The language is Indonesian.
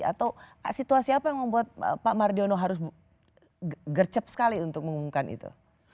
atau situasi apa yang membuat pak mardiono harus gercep sekali untuk mengumumkan itu